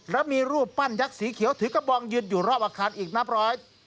แล้วมีรูปปั้นยักษ์สีเขียวถือกระบองยืนอยู่รอบอาคารอีกนับร้อย